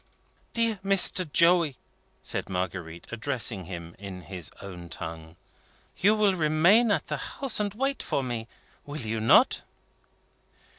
"Dear Mr. Joey," said Marguerite, addressing him in his own tongue, "you will remain at the house, and wait for me; will you not?"